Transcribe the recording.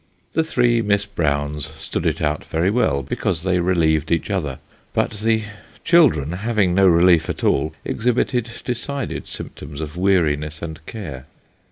The three Miss Browns stood it out very well, because they relieved each other ; but the children, having no relief at all, ex hibited decided symptoms of weariness and care.